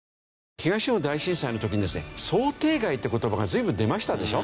東日本大震災の時にですね「想定外」という言葉が随分出ましたでしょ。